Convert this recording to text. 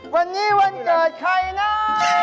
วันนี้วันเกิดใครนะ